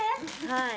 はい。